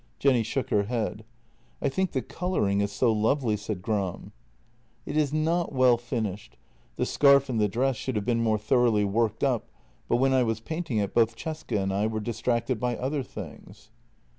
Jenny shook her head. " I think the colouring is so lovely," said Gram. " It is not well finished. The scarf and the dress should have been more thoroughly worked up, but when I was painting it both Cesca and I were distracted by other things."